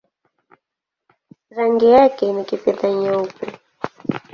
Rangi yake ni kifedha-nyeupe.